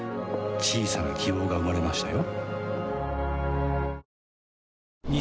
小さな希望が生まれましたよ